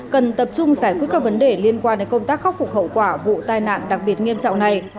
cần tập trung giải quyết các vấn đề liên quan đến công tác khắc phục hậu quả vụ tai nạn đặc biệt nghiêm trọng này